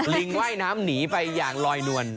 ว่ายน้ำหนีไปอย่างลอยนวล